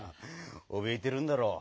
おびえてるんだろう。